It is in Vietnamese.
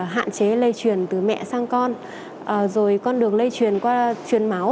hạn chế lây truyền từ mẹ sang con rồi con đường lây truyền qua truyền máu